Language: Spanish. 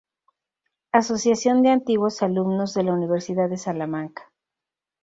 Asociación de Antiguos Alumnos de la Universidad de Salamanca.